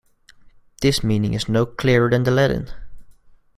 This meaning is no clearer than the Latin.